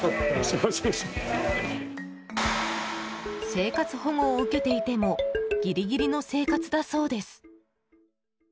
生活保護を受けていてもギリギリの生活だそうです。